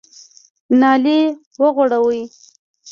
نالۍ وغوړوئ !